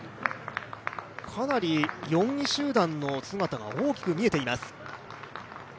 かなり４位集団の姿が大きく見えています。